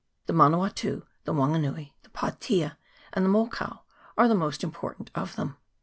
The Manawatu, the Wanganui, the Patea, and the Mokau are the most important of them.